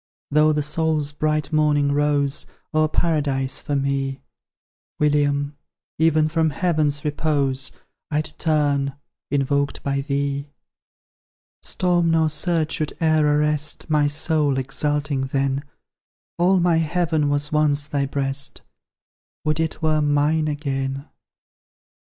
Though the soul's bright morning rose O'er Paradise for me, William! even from Heaven's repose I'd turn, invoked by thee! Storm nor surge should e'er arrest My soul, exalting then: All my heaven was once thy breast, Would it were mine again!